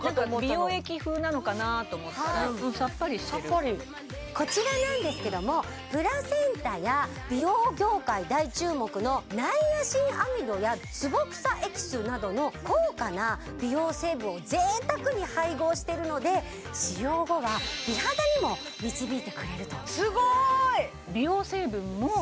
美容液風なのかなと思ったらさっぱりしてるこちらなんですけどもプラセンタや美容業界大注目のナイアシンアミドやツボクサエキスなどの高価な美容成分を贅沢に配合してるので使用後は美肌にも導いてくれるとすごーい！